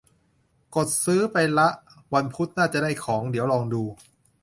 กดซื้อไปละ วันพุธน่าจะได้ของ เดี๋ยวลองดู